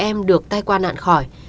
em được tai qua nạn khỏi